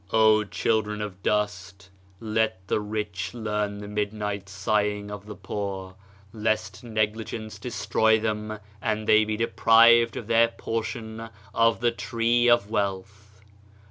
WORK 171 " O children of Dust, Let the rich learn the midnight sighing of the poor, lest negligence destroy them and they be de prived of their portion of the tree of wealth."